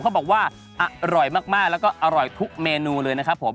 เขาบอกว่าอร่อยมากแล้วก็อร่อยทุกเมนูเลยนะครับผม